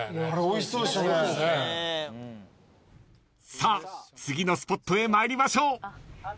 ［さあ次のスポットへ参りましょう］